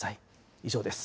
以上です。